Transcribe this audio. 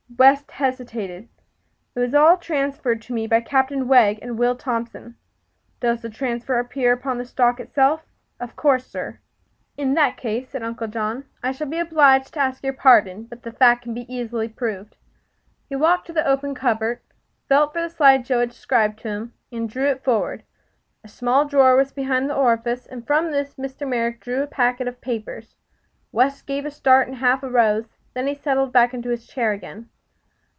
West hesitated. "It was all transferred to me by Captain Wegg and Will Thompson." "Does the transfer appear upon the stock itself?" "Of course, sir." "In that case," said Uncle John, "I shall be obliged to ask your pardon. But the fact can be easily proved." He walked to the open cupboard, felt for the slide Joe had described to him, and drew it forward. A small drawer was behind the orifice, and from this Mr. Merrick drew a packet of papers. West gave a start and half arose. Then he settled back into his chair again.